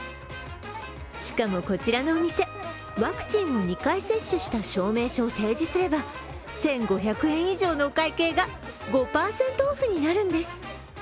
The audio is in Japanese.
しかも、こちらのお店、ワクチンを２回接種した証明書を提示すれば１５００円以上のお会計が５％オフになるんです。